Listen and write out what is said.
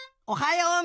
おはよう！